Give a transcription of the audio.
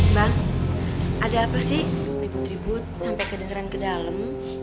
bang ada apa sih ribut ribut sampai kedengeran ke dalam